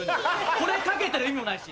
これかけてる意味もないし。